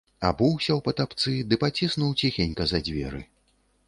Абуўся ў патапцы ды паціснуў ціхенька за дзверы.